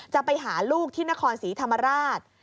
จะไปหาลูกที่นครศรีธรรมราช